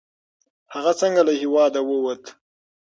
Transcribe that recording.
هغه څنګه له هیواده ووت؟